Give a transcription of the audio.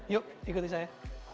yuk ikuti saya